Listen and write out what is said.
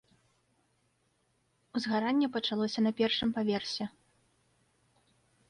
Узгаранне пачалося на першым паверсе.